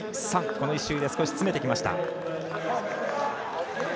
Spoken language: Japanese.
この１周で少し詰めてきました。